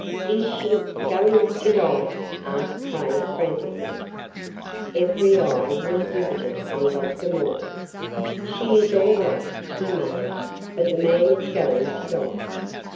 "Is she going to die?" gasped Craig, frantically. Every eye was riveted on Dr. Morton. "She is all right," he muttered. "But the man is going to die."